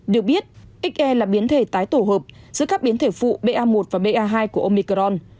được biết xr là biến thể tái tổ hợp giữa các biến thể phụ ba một và ba hai của omicron